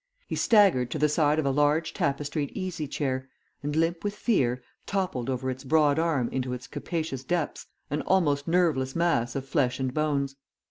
He staggered to the side of a large tapestried easy chair, and limp with fear, toppled over its broad arm into its capacious depths an almost nerveless mass of flesh and bones.